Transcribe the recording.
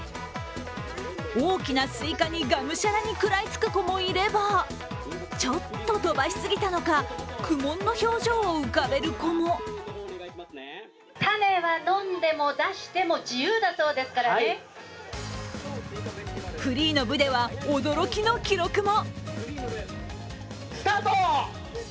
大きなスイカにがむしゃらに食らいつく子もいればちょっと飛ばしすぎたのか苦悶の表情を浮かべる子もフリーの部では驚きの記録も。